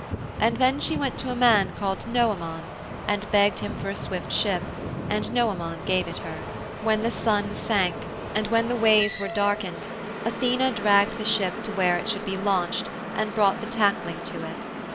And then she went to a man called Noëmon, and begged him for a swift ship, and Noëmon gave it her. When the sun sank and when the ways were darkened Athene dragged the ship to where it should be launched and brought the tackling to it.